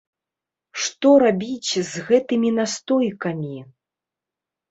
Што рабіць з гэтымі настойкамі?